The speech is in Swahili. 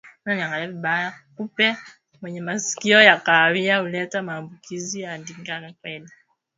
Kupe mwenye masikio ya kahawia huleta maambukizi ya ndigana kali